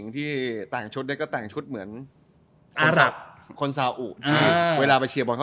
ถ้าดูตามหน้าภาค